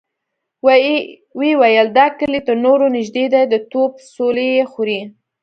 ويې ويل: دا کلي تر نورو نږدې دی، د توپ څولۍ يې خوري.